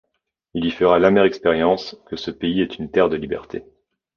Il y fera l'amère expérience que ce pays est une terre de libertés.